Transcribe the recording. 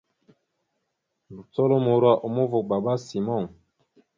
Nùcolomoro a uma ava ga baba simon.